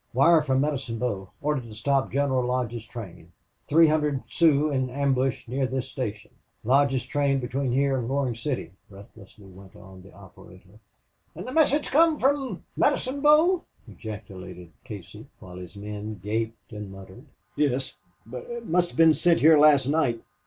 "Wire from Medicine Bow order to stop General Lodge's train three hundred Sioux in ambush near this station Lodge's train between here and Roaring City," breathlessly went on the operator. "An' the message come from Medicine Bow!" ejaculated Casey, while his men gaped and muttered. "Yes. It must have been sent here last night.